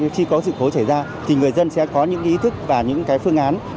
chỉ có sự cố trở ra thì người dân sẽ có những ý thức và những phương án